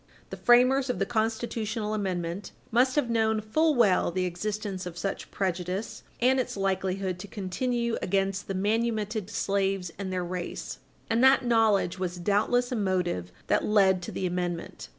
The framers of the constitutional amendment must have known full well the existence of such prejudice and its likelihood to continue against the manumitted slaves and their race, and that knowledge was doubtless a motive that led to the amendment.